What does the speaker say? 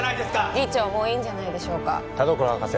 議長もういいんじゃないでしょうか田所博士